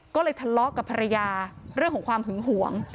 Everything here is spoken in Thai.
ก็เลยทะเลาะกับภรรยาเรื่องของความหึงหวง